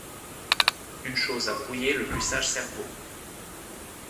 Une chose à brouiller le plus sage cerveau!